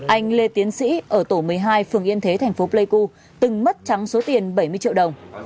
anh lê tiến sĩ ở tổ một mươi hai phường yên thế thành phố pleiku từng mất trắng số tiền bảy mươi triệu đồng